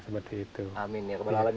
amin ya alhamdulillah